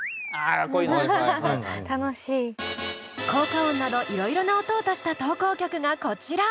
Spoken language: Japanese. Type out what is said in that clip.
効果音などいろいろな音を足した投稿曲がこちら！